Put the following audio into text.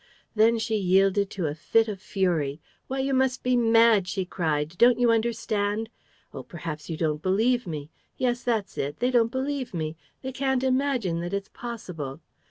Then she yielded to a fit of fury: "Why, you must be mad!" she cried. "Don't you understand? Oh, perhaps you don't believe me? Yes, that's it, they don't believe me! They can't imagine that it's possible!